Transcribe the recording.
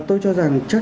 tôi cho rằng chắc